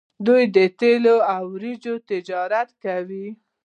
دوی د تیلو او وریجو تجارت کوي.